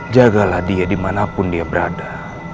jagalah dia dimanapun dia berada